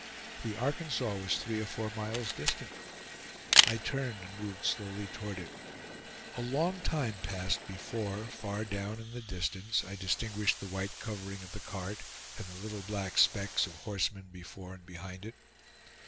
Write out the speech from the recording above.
The Arkansas was three or four miles distant. I turned and moved slowly toward it. A long time passed before, far down in the distance, I distinguished the white covering of the cart and the little black specks of horsemen before and behind it.